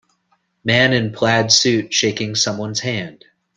man in plaid suit shaking someones hand.